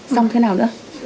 xong thế nào nữa